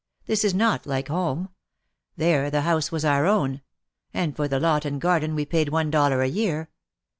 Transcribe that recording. This is not like home. There the house was our own. And for the lot and garden we paid one dollar a year.